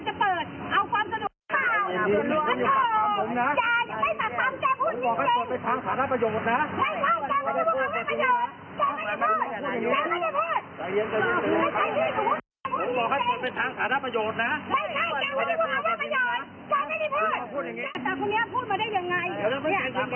แต่ตอนนี้พูดมาได้อย่างไร